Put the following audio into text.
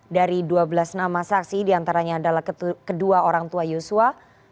dari dua belas nama saksi diantaranya adalah kedua orang tua yosua